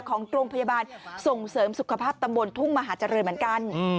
ของโรงพยาบาลส่งเสริมสุขภาพตำบลทุ่งมหาเจริญเหมือนกัน